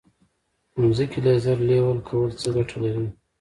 د ځمکې لیزر لیول کول څه ګټه لري؟